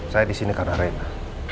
saya di sini karena arena